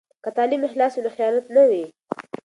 که تعلیم اخلاص وي، نو خیانت نه وي.